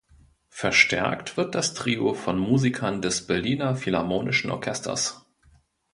Verstärkt wird das Trio von Musikern des Berliner Philharmonischen Orchesters.